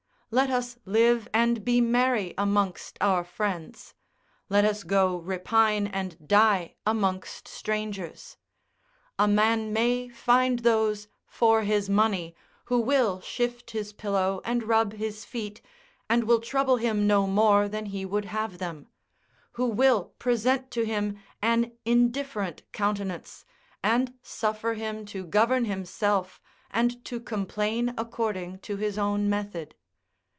Let us live and be merry amongst our friends; let us go repine and die amongst strangers; a man may find those, for his money, who will shift his pillow and rub his feet, and will trouble him no more than he would have them; who will present to him an indifferent countenance, and suffer him to govern himself, and to complain according to his own method.